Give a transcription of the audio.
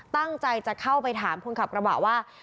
ตั้งใจจะเข้าไปถามคนขับกระบะว่า